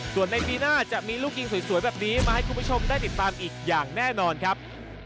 ส่วนในปีหน้าจะมีลูกยิงสวยแบบนี้มาให้คุณผู้ชมได้ติดตามอีกอย่างแน่นอนครับ